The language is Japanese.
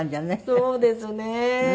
そうですね。